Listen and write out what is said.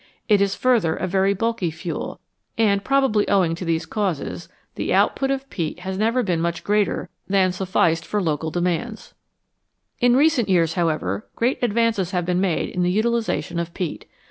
It is further a very bulky fuel, and, probably owing to these causes, the output of peat has never been much greater than sufficed for local de 139 NATURE'S STORES OF FUEL mands. In recent years, however, great advances have been made in the utilisation of peat.